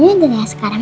ini udah ya sekarang ma